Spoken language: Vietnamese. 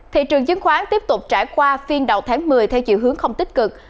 thị trường dân khoản tiếp tục trải qua phiên đầu tháng một mươi theo dự hướng không tích cực